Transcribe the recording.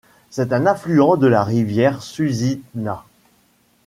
C'est un affluent de la Rivière Susitna.